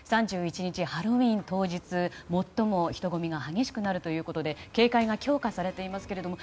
３１日ハロウィーン当日最も人混みが激しくなるということで警戒が強化されていますけれども